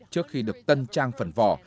trước khi được tân trang phần vỏ